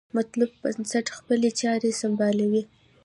مطلوب بنسټ خپلې چارې سمبالوي.